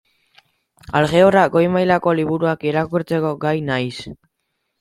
Aljebra goi-mailako liburuak irakurtzeko gai naiz.